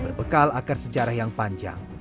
berbekal akar sejarah yang panjang